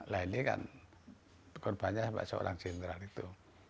nah ini kan gerbanya seorang jenderal itu